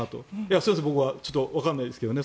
それは僕はわからないですけどね。